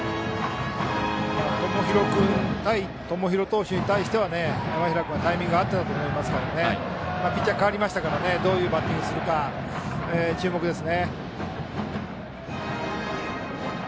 友廣投手に対しては山平君は、タイミングは合ってたと思いますからピッチャーが代わったのでどういうバッティングするか注目です。